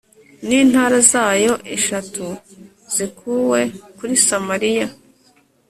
n'intara zayo eshatu zikuwe kuri samariya .